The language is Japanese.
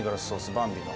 バンビの。